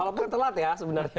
walaupun telat ya sebenarnya